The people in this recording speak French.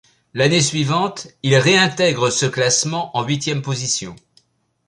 L'année suivante, il réintègre ce classement en huitième position.